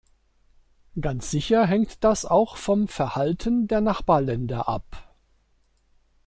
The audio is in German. Ganz sicher hängt das auch vom Verhalten der Nachbarländer ab.